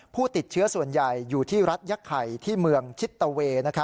ผู้ติดเชื้อส่วนใหญ่อยู่ที่รัฐยักษ์ไข่ที่เมืองชิตตะเวย์